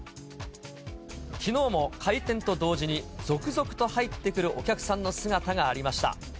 きのうも開店と同時に続々と入ってくるお客さんの姿がありました。